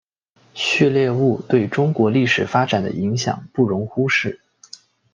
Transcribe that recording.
旭烈兀对中国历史发展的影响不容忽视。